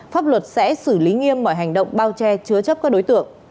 pháp luật sẽ xử lý nghiêm mọi hành động bao che chứa chấp các đối tượng